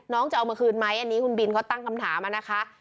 จะเอามาคืนไหมอันนี้คุณบินเขาตั้งคำถามนะคะ